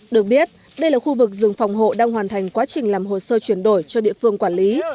được biết đây là khu vực rừng phòng hộ đang hoàn thành quá trình làm hồ sơ chuyển đổi cho địa phương quản lý